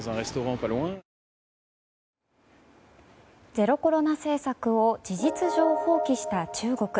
ゼロコロナ政策を事実上放棄した中国。